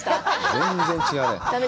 全然違うね。